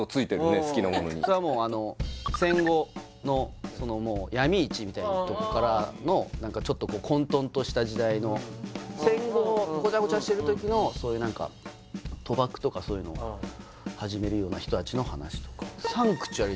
それはもう戦後のそのもう闇市みたいなとこからの何かちょっと混沌とした時代の戦後のゴチャゴチャしてる時のそういう何か賭博とかそういうのを始めるような人達の話とか「サンクチュアリ」